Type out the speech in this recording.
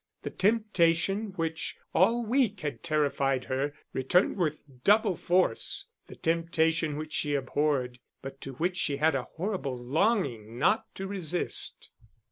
The temptation which all the week had terrified her returned with double force the temptation which she abhorred, but to which she had a horrible longing not to resist.